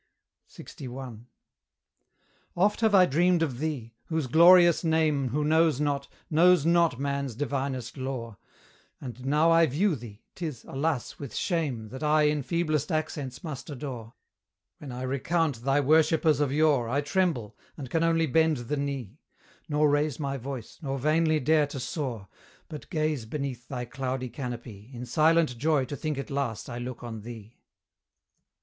LXI. Oft have I dreamed of thee! whose glorious name Who knows not, knows not man's divinest lore: And now I view thee, 'tis, alas, with shame That I in feeblest accents must adore. When I recount thy worshippers of yore I tremble, and can only bend the knee; Nor raise my voice, nor vainly dare to soar, But gaze beneath thy cloudy canopy In silent joy to think at last I look on thee!